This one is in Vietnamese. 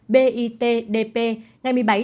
về việc tiêm phòng vaccine covid một mươi chín